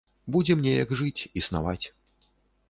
Будзем неяк жыць, існаваць.